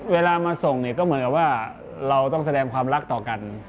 เวลามาส่งเนี่ยก็เหมือนกับว่าเราต้องแสดงความรักต่อกัน